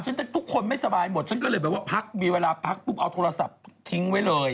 ฉันนอนทุกคนไม่สบายหมดฉันก็เลยมีเวลาพักเอาโทรศัพท์ทิ้งไว้เลย